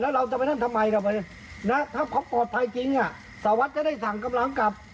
แล้วเราจะไปนั่นทำไมจับเลยถ้าพอปลอดภัยจริงค่ะสาวัสตร์จะได้สั่งกำรามกลับ